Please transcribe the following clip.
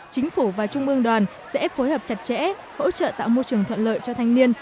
chính phủ và trung ương đoàn sẽ phối hợp chặt chẽ hỗ trợ tạo môi trường thuận lợi cho thanh niên